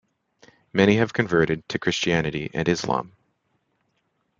Many have converted to Christianity and Islam.